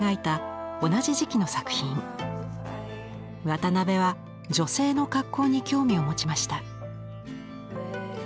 渡辺は女性の格好に興味を持ちました。